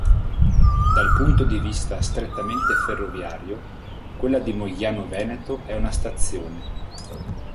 Dal punto di vista strettamente ferroviario quella di Mogliano Veneto è una stazione.